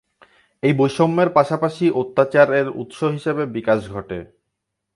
এই বৈষম্যের পাশাপাশি অত্যাচার এর উৎস হিসাবে বিকাশ ঘটে।